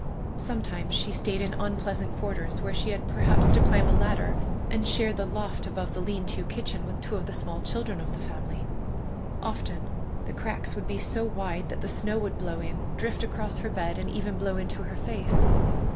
Sometimes she stayed in unpleasant quarters, where she had perhaps to climb a ladder, and share the loft above the lean to kitchen with two of the small children of the family. Often the cracks would be so wide that the snow would blow in, drift across her bed, and even blow into her face.